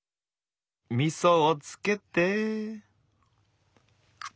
みそをつけて。